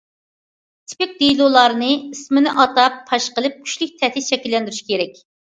تىپىك دېلولارنى ئىسمىنى ئاتاپ پاش قىلىپ، كۈچلۈك تەھدىت شەكىللەندۈرۈش كېرەك.